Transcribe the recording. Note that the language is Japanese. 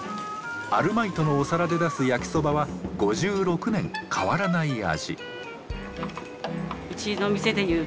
アルマイトのお皿で出す焼きそばは５６年変わらない味。